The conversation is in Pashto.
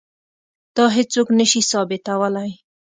دا هیڅوک نه شي ثابتولی.